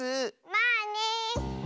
まあね。